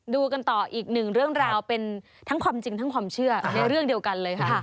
ดูกันต่ออีกหนึ่งเรื่องราวเป็นทั้งความจริงทั้งความเชื่อในเรื่องเดียวกันเลยค่ะ